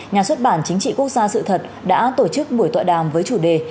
nhà xuất bản chính trị quốc gia sự thật đã tổ chức buổi tọa đàm với chủ đề